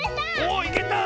おいけた！